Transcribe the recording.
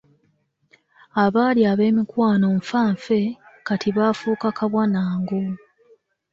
Abaali ab’emikwano fanfe, kati baafuuka kabwa na ngo.